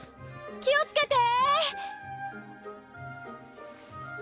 気をつけて！